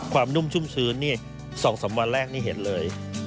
นุ่มชุ่มชื้นนี่๒๓วันแรกนี่เห็นเลย